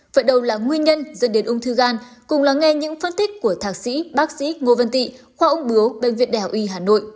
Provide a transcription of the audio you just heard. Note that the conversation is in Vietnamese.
vậy đầu là nguyên nhân dân đến ung thư gan cùng là nghe những phân tích của thạc sĩ bác sĩ ngô vân tị khoa ung bướu bên việt đại hội hà nội